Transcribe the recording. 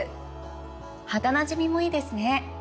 肌なじみもいいですね！